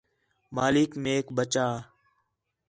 مالک میک بچا